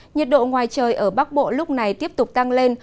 nhiệt độ ngoài trời ở bắc bộ lúc này tiếp tục tăng lên